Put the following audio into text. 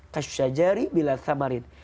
kasyajari bila thamarin